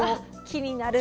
気になる。